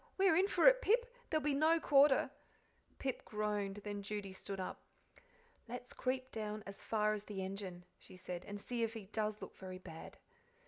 We're in for it now, Pip there'll be no quarter." Pip groaned; then Judy stood up. "Let's creep down as far as the engine," she said, "and see if he does look very bad."